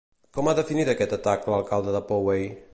Com ha definit aquest atac l'alcalde de Poway?